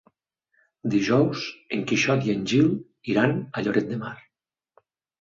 Dijous en Quixot i en Gil iran a Lloret de Mar.